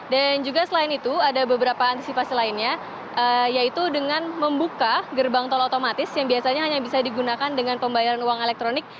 dan juga selain itu ada beberapa antisipasi lainnya yaitu dengan membuka gerbang tol otomatis yang biasanya hanya bisa digunakan dengan pembayaran uang elektronik